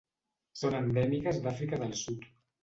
Són endèmiques d'Àfrica del Sud.